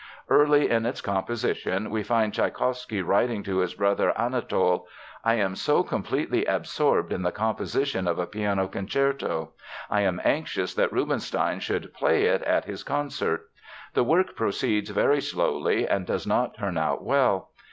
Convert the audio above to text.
Early in its composition we find Tschaikowsky writing to his brother Anatol: "I am so completely absorbed in the composition of a piano concerto. I am anxious that Rubinstein should play it at his concert. The work proceeds very slowly and does not turn out well.